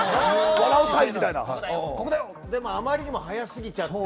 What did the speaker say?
でもあまりにもはやすぎちゃって。